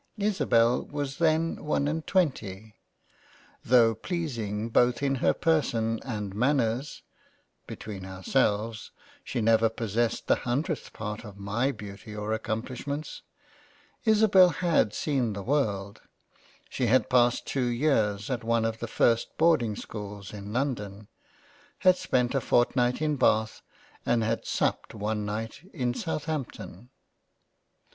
Isabel was then one and twenty. Tho' pleasing both in her Person and Manners (between ourselves) she never possessed the hundredth part of my Beauty or Accomplishments. Isabel had seen the World. She had passed 2 Years at one of the first Boarding schools in London ; had spent a fort night in Bath and had supped one night in Southampton.